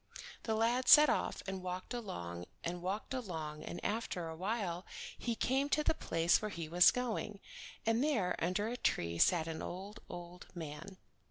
The lad set off and walked along and walked along and after awhile he came to the place where he was going, and there under a tree sat an old, old man.